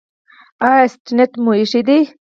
ایا سټنټ مو ایښی دی؟